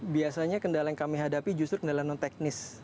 biasanya kendala yang kami hadapi justru kendala non teknis